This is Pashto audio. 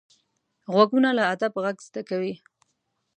غوږونه له ادب غږ زده کوي